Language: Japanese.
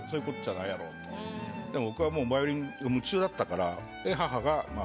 でも僕はもうバイオリンに夢中だったから。